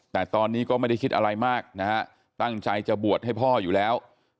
แต่ตอนนี้ก็ไม่ได้คิดอะไรมากนะฮะตั้งใจจะบวชให้พ่ออยู่แล้ว